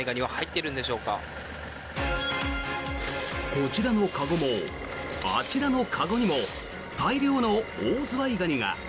こちらの籠も、あちらの籠にも大量のオオズワイガニが。